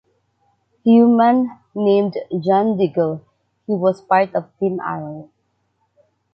Human, named John Diggle, he was part of team Arrow.